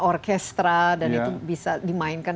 orkestra dan itu bisa dimainkan